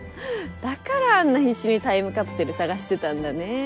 だからあんな必死にタイムカプセル捜してたんだね。